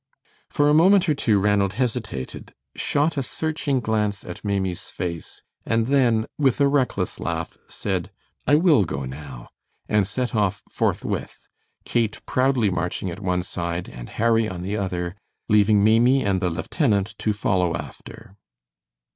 For a moment or two Ranald hesitated, shot a searching glance at Maimie's face, and then, with a reckless laugh, said, "I will go now," and set off forthwith, Kate proudly marching at one side, and Harry on the other, leaving Maimie and the lieutenant to follow after.